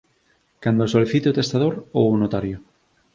Cando o solicite o testador ou o notario.